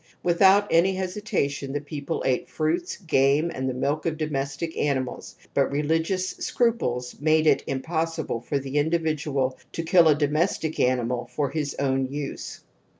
Without any hesitation the people ate fruits, game and the milk of domestic animals, but religious scruples made it impossible for the individual to kill a Q 220 TOTEM AND TABOO domestic animal for his own use.